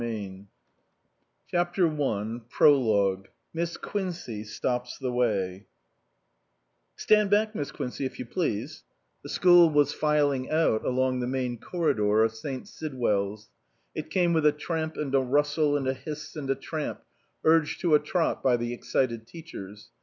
199 SUPERSEDED CHAPTER I MISS QUINCEY STOPS THE WAY " OTAND back, Miss Quincey, if you please." O The school was filing out along the main corridor of St. Sidwell's. It came with a tramp and a rustle and a hiss and a tramp, urged to a trot by the excited teachers.